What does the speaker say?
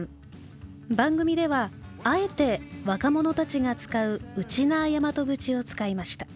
番組ではあえて若者たちが使うウチナーヤマトグチを使いました。